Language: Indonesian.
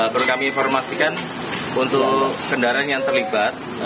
perlu kami informasikan untuk kendaraan yang terlibat